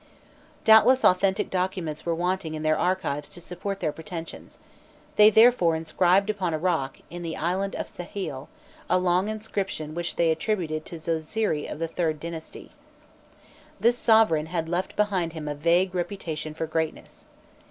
[Illustration: 351.jpg ANÛKIT] Doubtless authentic documents were wanting in their archives to support their pretensions: they therefore inscribed upon a rock, in the island of Sehel, a long inscription which they attributed to Zosiri of the IIIrd dynasty. This sovereign had left behind him a vague reputation for greatness.